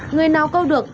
người nào câu được